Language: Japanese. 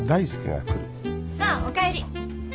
あっお帰り。